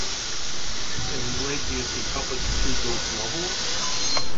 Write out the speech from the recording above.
In his late years, he published two ghost novels.